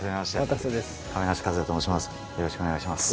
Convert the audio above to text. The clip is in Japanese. よろしくお願いします。